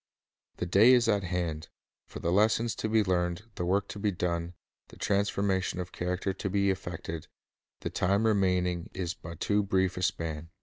The day is at hand. For the lessons to be learned, The Emi the work to be done, the transformation of character to be effected, the time remaining is but too brief a span.